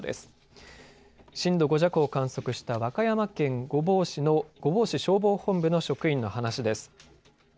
震度５弱を観測した和歌山県御坊市の御坊市消防本部の職員の話です。